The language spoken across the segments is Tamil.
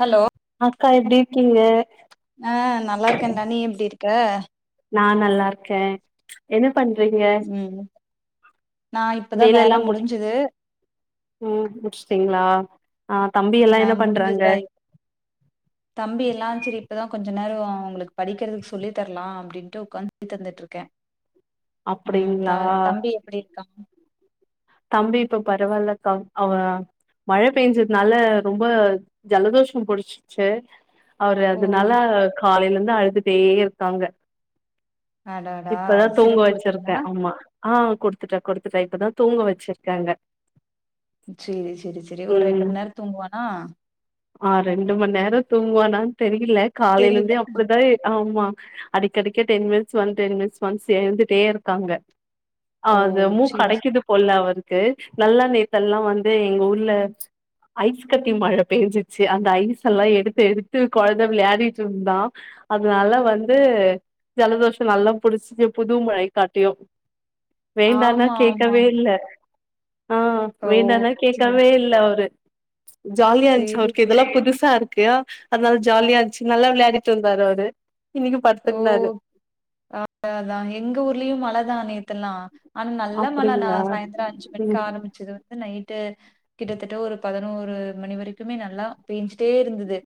ஹலோ அக்கா எப்டி இருக்கிங்க ஆஹ் நல்லா இருக்கேன்டா நீ எப்டி இருக் க்க நா நல்லா இருக்கேன் என்ன பண்றீங்க ம் நா இப்பதா வேலை எல்லா வேல முடி முடிஞ்சுது ம் முடிச்சிட்டீங்களா ஆ முடிஞ்சதுடா இப் தம்பி எல்லா செரி இப்பதா கொஞ்ச நேரம் உங்களுக்கு படிக்கிறதுக்கு சொல்லி தரலா அப்டின்ட்டு உக்காந்து சொல்லி தந்துட்டு இருக்கேன் ம் த அப்டிங்களா தம்பி எப்டி இருக்கான் தம்பி இப்ப பரவால்லகா அவன் மழ பெய்ஞ்சதுனால ரொம்ப ஜலதோஷம் புடிச்சிச்சு அவரு ஓ அதனால காலையிலந் ன்னோ அழுதுட்டே இருக்காங்க அடாடா இப்பதா தூங்க சிரப் குடுத்தீங்களா வச்சிருக்கேன் ஆமா ஆ கொடுத்துட்டேன் கொடுத்துட்டேன் இப்பதா தூங்க வச் ச்சிருக்காங்க சேரி சேரி சேரி ஒரு ரெண்டு ம் மண் நேரோ தூங்குவானா ஆ ரெண்டு மணி நேரோ தூங்குவானா இல்ல காலைல தெரில இருந்தே அப்டிதா ஏ ஆமா அடிக்கடிக்க ten minutes one ten minutes once எழுந்துட்டே இருக்காங்க அ ஓ அது மூக் சேரி அடைக்குது போல அவ இருக்கு நல்லா நேத்தெல்லா வந்து எங்க ஊர்ல ஐஸ் கட்டி மழ பெஞ்சிச்சு அந்த ஐஸ் எல்லா எடுத்து எடுத்து கொழந்த விளையாடிட்டு இருந்தான் அதனால வந்து ஜலதோஷம் நல்லா புடிச்சு புது மழை காட்டியும் வேண்டானா ஆமா ஆமா கேக்கவே இல்ல ஆ ஓ வேண்டானா சேரி கேக்கவே இல்ல அவரு ஜாலியாருந்துச்சு சேரி அவுருக்கு இதெல்லா புதுஸ் தா இருக்கு அதனால ஜாலியா இருந்துச்சு நல்லா விளையாடிட்டு இருந்தாரு அவுரு ஓ அதாதா எங்க ஊர்லயு மழதா நேத்தெல்லா ஆனா நல்ல மழ நா அப்டிங்களா சாய்ந்தரோ அஞ்சு மணிக்கு ம் ஆரம்பிச்சது வந்து நைட்டு கிட்டத்தட்ட ஒரு பதினோரு மணி வரைக்குமே நல்லா பேஞ்சிட்டே இருந்துது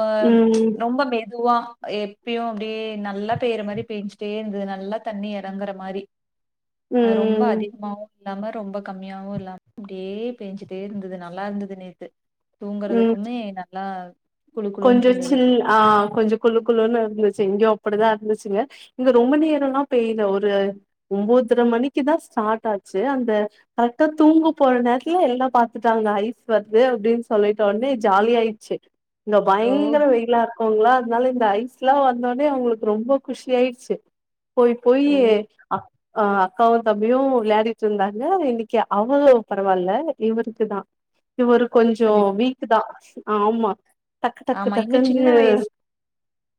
அ ம் ரொம்ப மெத் அதுவா எப்பியு அப்டியே நல்லா பெய்ற மாரி பேஞ்சுட்டே இருந்துது நல்லா தண்ணி எறங்குற மாரி அ ரொம்ப ம் அதிகமாவும் இல்லாம ரொம்ப கம்மியாவும் இல்லாம அப்டியே பேஞ்சுட்டே இருந்துது நல்லா இருந்துது நேத்து ம் தூங்கறதுக்குமே நா நா கொஞ்சோ சில் அ கொஞ்சோ குழு குழுன்னு இருந்துச்சு செஞ்சோ அப்டிதா இருந்துச்சுங்க இங்க ரொம்ப நேரோல்லா பெய்ல ஒரு ஒம்பொதர மணிக்குதா ஸ்டார்ட்டாச்சு அந்த கரெக்டா தூங்க போற நேரத்துல எல்லா பாத்துட்டாங்க ஐஸ் வருது அப்டின்னு சொல்லிட்டொன்னே ஜாலியா ஆயிடுச்சு இங்க பயங்கர ஓகே. வெயிலாருக்குங்ளா அத அதனால இந்த ஐஸ்லா வந்தோன அவுங்களுக்கு ரொம்ப குஷியாயிடுச்சு போய் போயி ஓ! அக் அ அக்காவு தம்பியு விளையாடிட்டு இருந்தாங்க இன்னிக்கி அவுங்களோ பரவால்ல இவுருக்கு தா இவுரு கொஞ்சோ சரி. வீக்குதா ஆமா டக்கு டக்கு ஆமா இன்னு சின்ன டக்குன்னு வயசு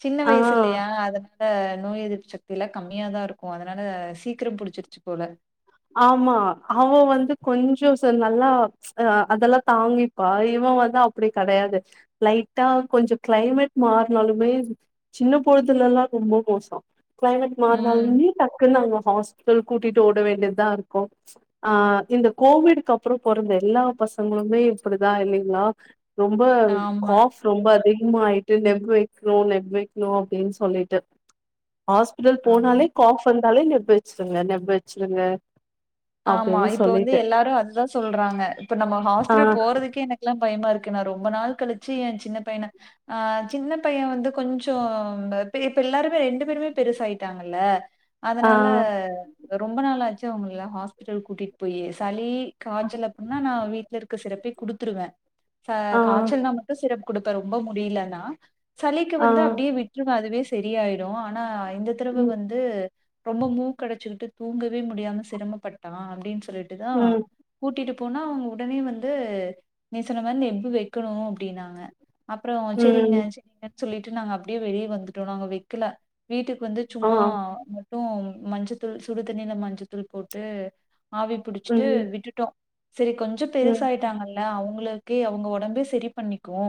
சின்ன ஆ வயசிலயா அதனால நோய் எதிர்ப்பு சக் இதெல்லா கம்மியாதா இருக்கு அதனால சீக்கிரம் புடிச்சிருச்சுப் போல ஆமா அவன் வந்து கொஞ்சோ ச நல்லா அ அதெல்லா தாங்கிப்பா இவன் வந்து அப்டி கடையாது லைட்டா கொஞ்சோ கிளைமேட் மாறுனாலுமே சின்ன பொளுதலெல்லா ரொம்ப மோசோ க்ளைமேட் ம். மாறனாலுமே டக்குன்னு அவ ஹாஸ்பிட்டல் கூட்டிட்டு ஓட வேண்டியது தா இருக்கு அ இந்த கோவிட்டுக்கு அப்புறோ புறந்த எல்லா பசங்களுமே இப்புடிதா இல்லிங்ளா ரொம்ப ஆமா, காஃப் ரொம்ப அதிக் சும்மா ஆயிட்டு நெக் வைக்கணு நெக் வைக்கணு அப்டின்னு சொல்லிட்டு ஆஸ்பிட்டல் ஆமா. போனாலே காஃப் வந்தாலே நெக் வெடிச்சிடுங்க நெப் வெச்சிடுங்க ஆமா இப்ப வந்து எல்லாரு அதுதா சொல்றாங்க இப்ப நம்ம ஆ ஹாஸ்பிட்டல் போறதுக்கே எனக்கெல்லா பயமாருக்கு க்கு நா ரொம்ப நாள் கழிச்சு என் சின்ன பையன அ சின்ன பைய வந்து கொஞ்சோ பே எல்லாருமே ரெண்டு பேருமே பெருசாயிட்டாங்கல்ல ஆ அதனால ரொம்ப நாளாச்சு தூங்கலையா ஹாஸ் பிட்டல் கூட்டிட்டு போயி சளி காச்சல் அப்டின்னா நா வீட்ல இருக்க சிறப்பே குடுத்துருவே ச ஆ காச்சல்னா மட்டு சிரப்பு குடுக்க ரொம்ப முடியலனா சலிக்கு ஆ வந்து அப்படியே விட்டுருவாறு வேஸ் செரியாயிடு ஆனா ரெண்டு தரவ ம் வந்து ரொம்ப மூக்கடச்சுகிட்டு தூங்கவே முடியாம சிரம பட் டா அப்டின் சொல்லிட்டுதா ம் கூட்டிட் போனா அவுங்க உடனே வந்து நேத்து சொன்ன மாரி நிப்பு வெக்கணு அப்படின்னாங்க அப்புறோ செரிங்க ம் செரிங்க சொல்லிட்டு நாங்க அப்படியே வெளியே வந்துட்டோகில நாங்க வெக்கில வீட்டுக்கு வந்து ஆ சும்மா ைஆ [unintelligible] மஞ்சத்தூள் சுடு தண்ணில மஞ்சத்தூள் போட்டு ஆவி புடுச்சிட்டு ம் விட்டுட்டோ சேரி கொஞ்சோ ம் பெருசாயிட்டாங்கல்ல அவுங்ளு கே அவுங்க ஒடம்பே செரி பண்ணிக்கு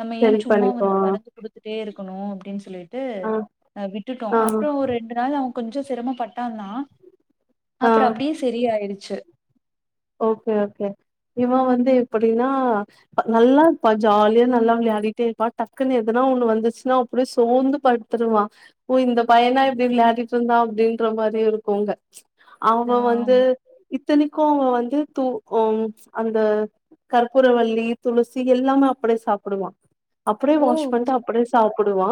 நம்ம ஏ சரி சும்மா பண்ணிக்கோ வந்து மருந்து குடுத்துட்டே இருக்கணு அப்டின்னு சொல்லிட் டு ஆ விட்டுட்டோ ஆ அப்பறோ ஒரு ரெண்டு நாள் அவெ கொஞ்சோ சிரமம்பட்டா தா ஆ அப்றோ அப்டியே செரியாயிடுச்சு ஓகே ஓகே இவ வந்து எப்படின்னா நல்லா இருப்பா ஜாலியா நல்லா விளையாடிட்டே இருப்பா டக்குன்னு எதுனா ஒண்ணு வந்துச்சுன்னா அப்டியே சோந்து படுத்துருவா ஓ இந்த பையனா இப்டி விளாடிட்டு இருந்தா அப்டின்ற மாரி இருக்குங்க ஆ அவெ வந்து இத்தனைக்கு அவங்க வந் இது தூ ம் அந்த கற்பூரவல்லி துளசி எல்லாமே அப்டியே சாப்டுவா அப்டியே ஓ வாஷ் பண்ணிட்டு அப்டியே சாப்டுவா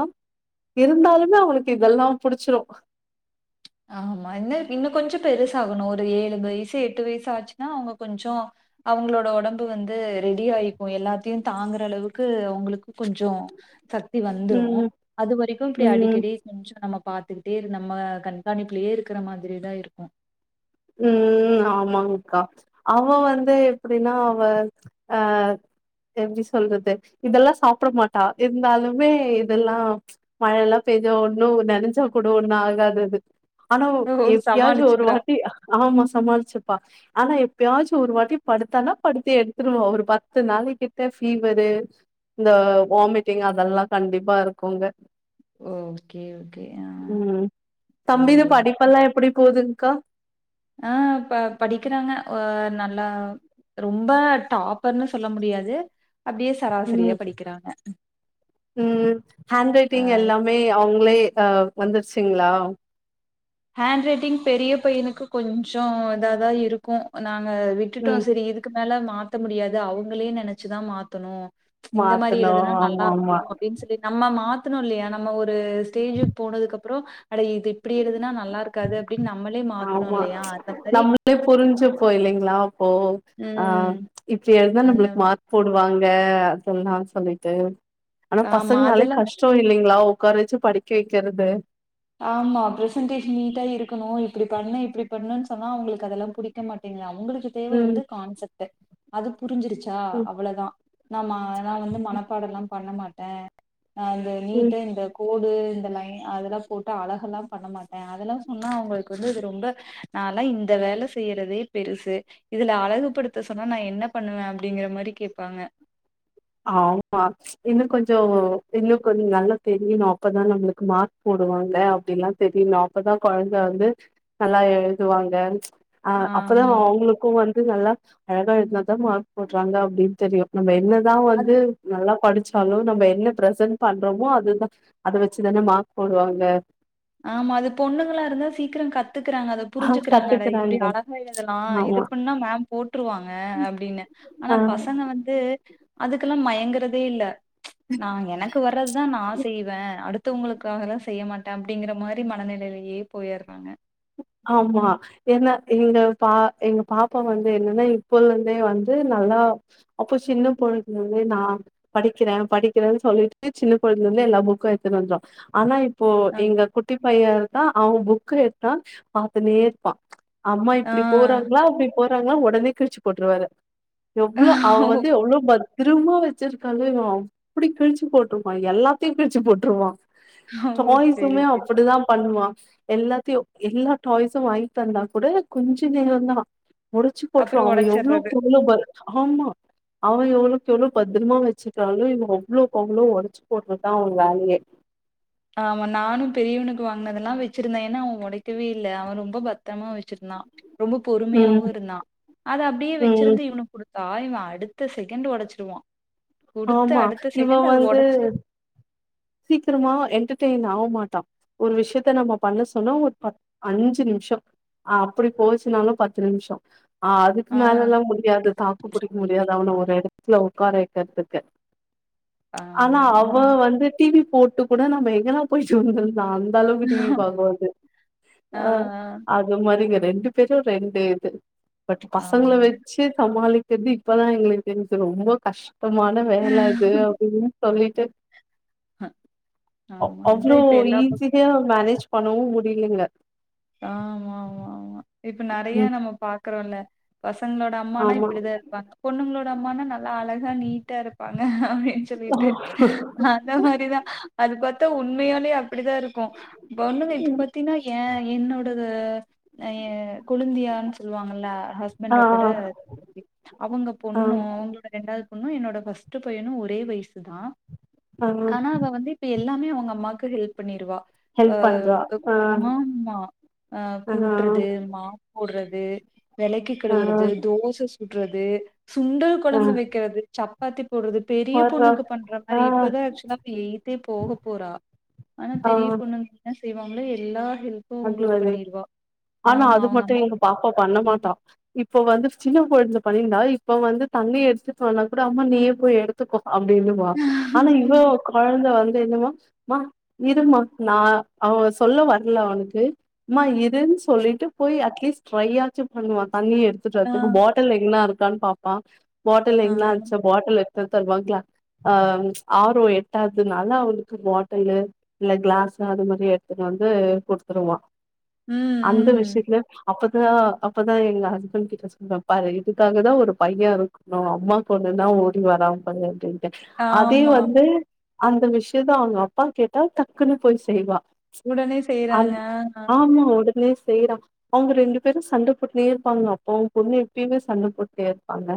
இருந்தாலுமே அவனுக்கு இதெல்லா புடிச்சுரு ஆமா இன்னு இன்னு கொஞ்சோ பெருசாகணு ஒரு ஏழு வயசு எட்டு வயசு ஆச்சுன்னா அவுங்க கொஞ்சோ அவுங்ளோட ஒடம்பு வந்து ரெடி ஆயிக்கு எல்லாத்தையு தாங்கற அளவுக்கு அவுங்களுக் கொஞ்சோ சத்தி வந்துரு ம் அது வரைக்கு இப்டி ம் அடிக்கடி கொஞ்சோ நம்ம பாத்துக்கிட்டே இரு நம்ம கண் கண்காணிப்லயே இருக்கற மாதிரி தா இருக்கு ம் ஆமாங்கா அவ வந்து எப்டின்னா அவ அ எப்டி சொல்றது இதெல்லா சாப்ட மாட்டா இருந்தாலுமே இதெல்லா ச்சு மழையெல்லா பெய்ஞ்ச ஒண்ணு நெனஞ்சா கூட ஒண்ணு ஆகாதது ஆன ஓ! எப்டியாச்சு ஒரு சமாளிச்சுக்கிறா. வாட் ஆமா சமாளிச்சுப்பா ஆனா எப்யாச்சு ஒரு வாட்டி படுத்தானா படுத்தே எடுத்துருவா ஒரு பத்து நாள் கிட்ட ஃபீவரு இந்த வாமிட்டிங் அதெல்லா கண்டிப்பா இருக்குங்க ஓகே ஓகே ஆ ம் சேரி அப் கா ஆ ப படிக்கறாங்க ஹ நல்லா ரொம்ப டாப்ர்ன்னு சொல்ல முடியாது அப்படியே சராசரியா ம் படிக்கிறாங்க. ம் ஹேண்ட் அ ரைட்டிங் எல்லாமே அவங்ளே வந்துருச்சுங்களா ஹேண்ட் ரைட்டிங் பெரிய பையனுக்கு கொஞ்சோ இத தா இருக்கு நாங்க விட்டுட்டோம் ம் சேரி இதுக்கு மேல மார்க் தா மாத்த முடியாது அவங்ளே நெனச்சுதா மாத்தணு ச்சு இந்த மாரி மாத்தணு எழுதுன்னா நல்லா ஆமா இருக்கு ஆமா அப்டின்னு சொல்லி நம்ம மார்க் மாத்தனு இல்லயா நம்ம ஒரு ஸ்டேஜு போனதுக்குகப்பறோ அட இது இப்டி எழுத னா நல்லா இருக்காது அப்டி ஆமா ச்சு நம்மளே புரிஞ்சுப்போ இல்லைங்களா அப்போ ஆஹ் ம் இப்படி எழுதா அந்த நம்மளுக்கு மார்க் போடுவ ப்பாங்க அதல்லா சொல்லிட்டு ஆனா ஆமா பசங்கனாலே அதெல்லா கஷ்டம் இல்லைங்களா உக்கார வச்சு படிக்கி வைக்கறது ஆமா பிரசன்டேஷன் நீட்டா இருக்கணும். இப்படி பண்ணா இப்படி பண்ணு சொன்னா அவங்களுக்கு அதெல்லா புடிக்க மாட்டீங்கிறது அவங்களுக்கு தேவை ம் வந்து கான்செப்ட் அதுக் புரிஞ்சிருச்சா ம் அவ்ளோதான் நம்ம அதான் வந்து மனப்பாடம் எல்லாம் பண்ண மாட்டேன் ஆஹ் அந்த ம் நீட்டு இந்த கோடு இந்த லைன் அதெல்லா போட்டு அழகெல்லா பண்ண மாட்டேன் அதெல்லா சொன்னா அவங்களுக்கு வந்து இது ரொம்ப நாளா இந்த வேலை செய்யறதே பெருசு இதுல அழகுபடுத்த சொன்னா நான் என்ன பண்ணுவேன் அப்படிங்கிற மாரி கேட்பாங்க ஆமா இன்னும் கொஞ்சோ இன்னும் கொஞ்சோ நல்லா தெரியணும் அப்பதான் நம்மளுக்கு மார்க் போடுவாங்க அப்படியெல்லா தெரியனும் அப்பதான் குழந்த வந்து நல்லா எழுதுவாங்க அஹ் அப்பதான் ஆமா. அவங்களுக்கும் வந்து நல்லா அழகா எழுதுனா தான் மார்க் போடுவாங்க அப்படின்னு தெரியும் நம்ம என்ன நான் வந்து நல்லா படிச்சு ஹலோ நம்ம என்ன ப்ரசன்ட் பண்றோமோ அதுதான் அதை வச்சுதானே மார்க் போடுவாங்க ஆமா அது பொண்ணுங்களா இருந்தா சீக்கிரம் கத்துக்கறாங்க அதை ஆ புரிஞ்சுக்கிறாங்க அட இப்படி கத்துக்குறாங்க அழகாய இதல்லா இது ஆமா பண்ணா மேம் போட்டுருவாங்க அப்படின்னு ஆனா ஆ பசங்க வந்து அதுக்கெல்லா மயங்கறதே இல்ல ச்சு நான் எனக்கு வர்றதுதான் நான் செய்வேன் அடுத்து த்து உங்களுக்காக எல்லா செய்ய மாட்டே அப் அப்படிங்கிற மாரி மனநெலயிலேயே போயிறாங்க ஆமா என்ன எங்கபா எங்க பாப்பா வந்து என்னன்னா இப்பல இருந்தே வந்து நல்லா அப்போ சின்ன பொழுதுல இருந்தே நா படிக்கிறேன் படிக்கிறேன்னு சொல்லிட்டு சின்ன பொழுதுல இருந்தே எல்லா புக்கும் எடுத்துட்டு வந்துரு ஆனாஸ இப் இப்போ ஆ எங்க குட்டி பையா இருக்கா அவுங்க புக் [unintelligible] அ பாத்துனேருப்பா அம்மா ஆ இப்டி போறாங்களா அப்டி போற ளாங்களா ஒடனே கிழிச்சு போட்ருவே அதா எவ்ளோ ஓ அவன் வந்து எவ்ளோ பத் திரும்ப வச்சிருக்கான்ல எ அப்டி கிழிச்சு போட்டுருப்பான் எல்லாத்தையு கிழிச்சு போட்டிருவான் ஓ சரி வாய்ஸுமே சரி அப்புடிதா பண்ணுவா எல்லாத்தையு எல்லா டாய்ஸும் வாங்கி தந்தா கூட கொஞ்ச நேரோந்தா முடிச்சு போட்டுருவ அப்புறம் அவன் எவ்ளோ உடைச்சிடுறது பொருள பாரு ஆமா அவ எவ்ளோக்கு எவ்ளோவு பத்திரமா வச்சுக்கிறாலோ இவன் அவ்ளோக்கு அவ்ளோ ஒடச்சு போட்றதா அவன் வேலயே ஆமா நானு பெரியவனுக்கு வாங்குனதெல்லா வச்சிருந்தே ஏன்னா அவன் ஒடக்கவே இல்ல அவன் ரொம்ப பத்தமா வச்சுருந்தா ரொம்ப ம் பொறுமையாவு இருந்தா அத அப்டியே ம் வச்சுருந்து இவனுக்கு குடுத்தா பாய் அடுத்த செகண்ட் ஒடச்சுருவா ஆமா இவ வந்து சீக்கிரமா என்டர்டெயின் ஆக மாட்டான் ஒரு விஷயத்த நம்ம பண்ண சொன்னா ஒரு பத் அஞ்சு நிமிஷோ அப்டி போச்சுனாலும் பத்து நிமிஷோ ஆ அதுக்கு ஆ மேலெல்லா முடியாது தாக்கு புடிக்க முடியாது அவன ஒரு இடத் ஸ்ல ஒக்கார வெக்குறதுக்கு ஆனா ஆமா அவ வந்து டிவி போட்டு கூட நம்ம எங்கல்லா போயி சொல்றது நா அந்த அளவுக்கு டிவி பாக்கமாட்ட ஆ அது மாரி கெ ரெண்டு பேரு ரெண்டு இது பட் ஆ பசங்கள ஆமா வச்சு சமாளிக் எப்டி இப்பதா எங்களுக்குக்கு தெரியு சொல்லுவோ ரொம்ப கஷ் இப்ப மால வேல அது அப்டின்னு சொல்லிட்டு அவ் ஆமா அதா அவ்ளோ இப்ப எல்லா பக் ஈஸியா மேனேஜ் பண்ணவும் முடியலங்க ஆ ஆமா ஆமா ஆமா இப்ப நெறையா ம் நம்ம பாத் குறோல பசங் சங்களோட அம்மான்னா ஆமா இப்படி தா இருப்பாங்க பொண்ணுங்களோ ட அம்மான்னா நல்லா அழகா நீட்டா இருப்பாங்க ன் சொல்லிட்டு அந்த மாரி தா அது பாத் தா உண்மையாலே அ ப்டி தா இருக்கும் பொண்ணுக இப்டி பாத்தீன்னா ஏ என்னோடது [unintelligible] கொளுந்தியான் சொல்வாங்கல்ல ஆ ஹஸ்பண்டோட அவங்க ஆ பொண்ணு அவங்களோட ரெண்டாவ் பொண்ணு என்னோட ஃபஸ்ட்டு பையனு ஒரே வயசு தா ஆ ஆனா அவ வந்து இப்ப எல்லாமே அவங்க அம்மாக்கு ஹெல்ப் பண்ணிருவா ஹெல்ப் பண்றா ஆஹ் அஹ் கூட்றது மாப் போட்றது விளக்கி ஆ கழுவுறது தோச சு சுட்றது சுண்டல் ஆ கொழம்பு வைக்கிறது சப் [unintelligible] சொல்றது பெரிய பார்றா பொண்ணுக்கு பண்ற ஆ மாரி இப்பதா ஆக்சுவலா அவ எய்த்தே போக போறா ஆனா ஆ பெரிய பொண்ணுங்க செய்வாங்களே எல்லா ஹெல்ப்பு உங்களுக்கு அஞ்சுவதே பண்ணிருவா ஆனா ஆமா அது அவங்க மட்டு அம்மா எங்க பாப்பா பண்ண மாட்டா இப் இப்போ வந்து சின்ன பொண்ணு பண்ணிந்தா இப்ப வந்து தண்ணி எடுத்துட்டு வானாக் கூட அம்மா நீயே போய் எடுத்துக்கோ அப்டின்னுப ஆனா இவ கொழந்த வந்து என்னமா ம்மா இருமா நா அவ சொல்ல வரல அவனுக்கு க்கு அம்மா எதுன்னு சொல்லிட்டு போய் அட்லீஸ்ட் ட்ரை ஆச்சு பண்ணுவாங்க தண்ணி எத்துட்டு ஆ வர்றதுக்கு பாட்டில் எங்கனா இருக் கண் பாப்பா பாட்டல் ஆ எங்கல்லா வெச்ச பாட்டலு தத் தருவாங்களா அஹ ஆரோ எட்டாவதுனால அவனுக்கு பாட்டலு இல்ல கிளாஸ் அது மாரி எடுத்துன்னு வந்துடு குடுத் த்ருவா ம் அந்த ம் விஷயத்துல அப்ப அதான் அப்பதான் எங்க ஹஸ்பண்ட் கிட்ட சொல்ற பாரு இதுக்காக தான் ஒரு பையன் இருக்கணும் அம்மாக்கு ஒண்ணுனா ஓடி வரா பாரு அப்பிடின்னு அதே ஆமா வந்து அந்த விஷயத்த அவங்க அப்பா கேட்டா டக்குன்னு போய் செய்வா உடனே செய்யறா அந் ஆமா உடனே செய்யறா அவங்க ரெண்டு பேரும் சண்டை போட்டுனே இருப்பாங்க அப்பாவு பொண்ணு எப்பயுமே சண்டை போட்டுடே இருப்பாங்க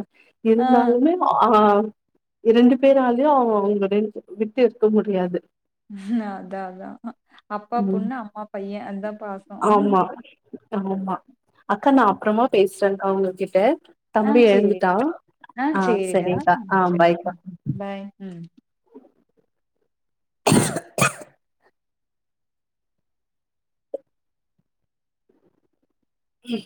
ஆ இருந்தாலுமே ஆஹா இரண்டு பேராலயு அவ அவங்களட வி விட்டு இருக்க முடியாது ஹம் அதா அதா அப்பா ம் பொண்ணா அம்மா பைய அந்த பாசோ ஆமா ஆமா அக்கா நான் அப்பறமா பேசறேகா உங்ககிட்ட ஆ தம்பி செரி எழுந்துட்டா ஆ செரிடா சரிங்க்கா ம் ஆ சரி பாய்க்கா பார் ம் [inaudible] உம்